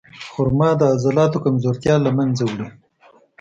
خرما د عضلاتو کمزورتیا له منځه وړي.